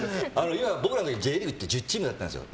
僕らの時、Ｊリーグって１０チームくらいだったんですよ。